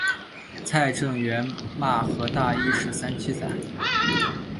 蔡正元骂何大一是三七仔。